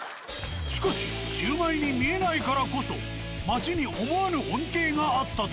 しかしシウマイに見えないからこそ街に思わぬ恩恵があったという。